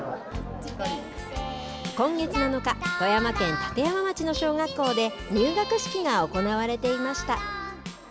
今月７日、富山県立山町の小学校で入学式が行われていました。